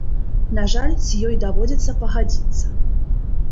На жаль, з ёй даводзіцца пагадзіцца.